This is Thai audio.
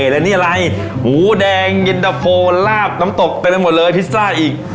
และนี่อะไรหมูแดงเย็นตะโฟลาบน้ำตกเต็มไปหมดเลยพิซซ่าอีก